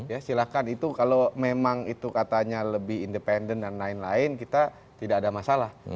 ya silahkan itu kalau memang itu katanya lebih independen dan lain lain kita tidak ada masalah